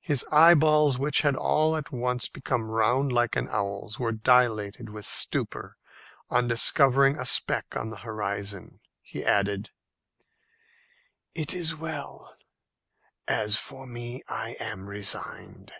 His eyeballs, which had all at once become quite round like an owl's, were dilated with stupor on discovering a speck on the horizon. He added, "It is well. As for me, I am resigned."